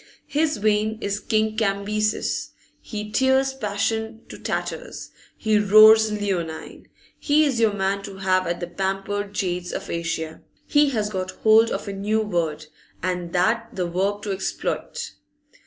His vein is King Cambyses'; he tears passion to tatters; he roars leonine; he is your man to have at the pamper'd jades of Asia! He has got hold of a new word, and that the verb to 'exploit.